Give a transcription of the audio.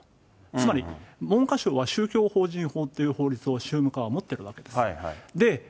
つまり、文科省は宗教法人法っていう法律を宗務課は持ってるわけです。